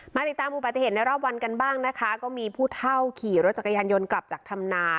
ติดตามอุบัติเหตุในรอบวันกันบ้างนะคะก็มีผู้เท่าขี่รถจักรยานยนต์กลับจากธรรมนา